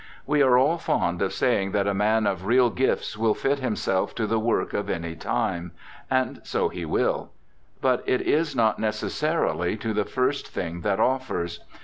We are all fond of saying that a man of real gifts will fit himself to the work of any time; and so he will. But it is not necessarily to the first thing that offers.